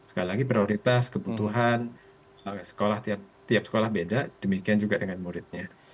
sekali lagi prioritas kebutuhan sekolah tiap sekolah beda demikian juga dengan muridnya